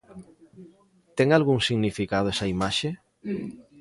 Ten algún significado esa imaxe?